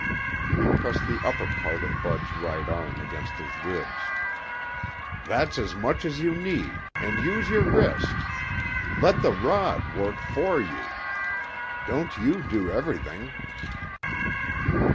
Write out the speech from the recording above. He pressed the upper part of Bud's right arm against his ribs. "That's as much as you need and use your wrist. Let the rod work for you; don't you do everything."